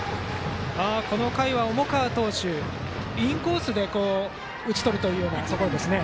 この回は重川投手、インコースで打ち取るというパターンですね。